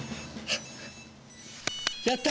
やった！